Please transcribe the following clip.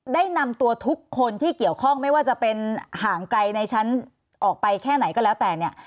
ได้นำตัวทุกคนที่เกี่ยวข้องไม่ว่าจะเป็นห่างไกลในชั้นออกไปแค่ไหนก็แล้วแต่เนี่ย